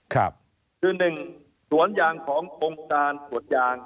คือหนึ่งสวนยางขององค์การสวนยาง